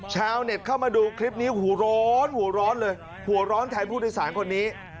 ชาวเน็ตเข้ามาดูคลิปนี้หัวร้อนหัวร้อนเลยหัวร้อนแทนผู้โดยสารคนนี้